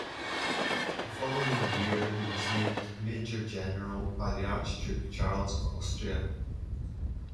The following year he was named major-general by the Archduke Charles of Austria.